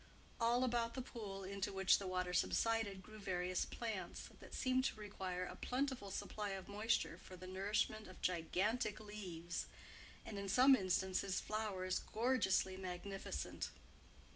All about the pool into which the water subsided grew various plants, that seemed to require a plentiful supply of moisture for the nourishment of gigantic leaves, and in some instances, flowers gorgeously magnificent.